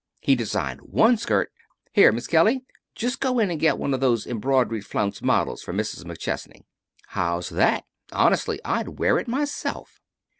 He designed one skirt Here, Miss Kelly! Just go in and get one of those embroidery flounce models for Mrs. McChesney. How's that? Honestly, I'd wear it myself."